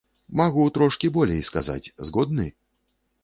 Магу трошкі болей сказаць, згодны?